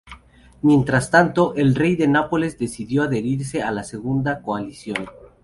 Mientras tanto, el rey de Nápoles decidió adherirse a la Segunda Coalición.